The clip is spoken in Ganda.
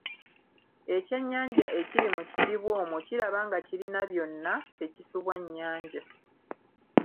Ekyennyanja ekiri mu kidiba omwo kiraba nga kirina byonna, tekisubwa nnyanja.